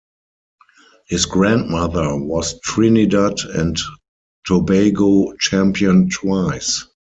His grandmother was Trinidad and Tobago Champion twice.